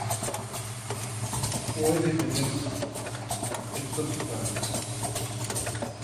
Puede tener texto cifrado.